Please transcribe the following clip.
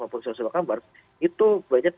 maupun social commerce itu banyak